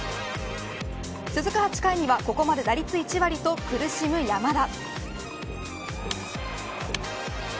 続く８回にはここまで打率１割と苦しむ山田。